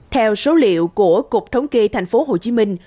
theo số liệu của cục thống kê thành phố hồ chí minh